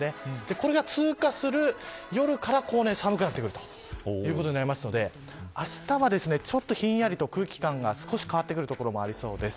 これが通過する夜から寒くなってくるということになるのであしたは、ちょっとひんやりと空気感が少し変わってくる所もありそうです。